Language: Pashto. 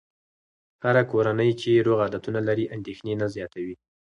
هره کورنۍ چې روغ عادتونه لري، اندېښنې نه زیاتوي.